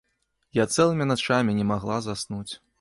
Я цэлымі начамі не магла заснуць.